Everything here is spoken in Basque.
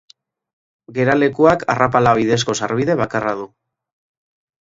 Geralekuak arrapala bidezko sarbide bakarra du.